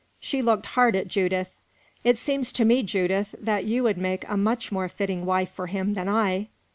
She looked hard at Judith. "It seems to me, Judith, that you would make a much more fitting wife for him than I."